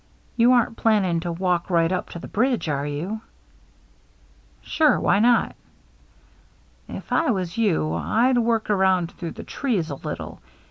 You aren't plan ning to walk right up to the bridge, are you ?" "Sure. Why not?" " If I was you, I'd work around through the trees a little.